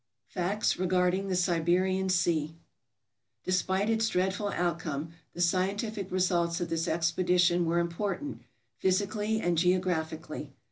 Facts Regarding the Siberian Sea Despite its dreadful outcome, the scientific results of this expedition were important, physically and geographically.